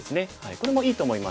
これもいいと思います。